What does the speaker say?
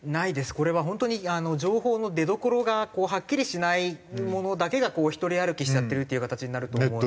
これは本当に情報の出どころがはっきりしないものだけが独り歩きしちゃってるっていう形になると思うので。